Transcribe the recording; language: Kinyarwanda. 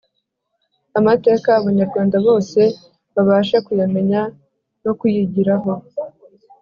Amateka abanyarwanda bose babashe kuyamenya no kuyigiraho